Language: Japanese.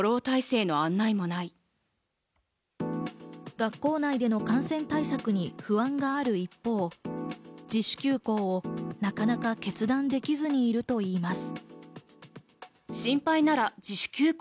学校内での感染対策に不安がある一方、自主休校をなかなか決断できずにいるといいます。